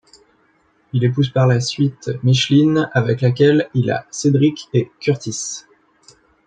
Il épouse par la suite Micheline avec laquelle il a Cédrick et Curtis.